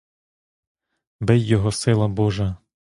Бий його сила божа!